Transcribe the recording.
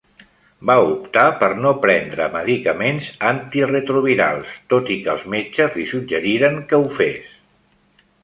Va optar per no prendre medicaments antiretrovirals, tot i que els metges li suggeriren que ho fes.